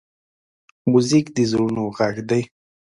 موزیک د زړونو غږ دی.